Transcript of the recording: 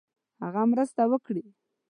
هغه مرسته وکړي.